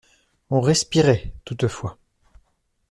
On respirait, toutefois.